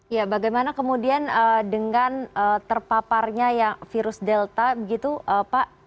ya bagaimana kemudian dengan terpaparnya virus delta begitu pak